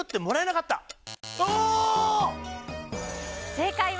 正解は。